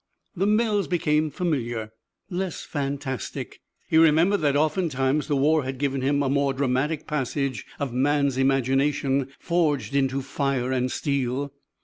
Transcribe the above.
The mills became familiar, less fantastic. He remembered that oftentimes the war had given a more dramatic passage of man's imagination forged into fire and steel.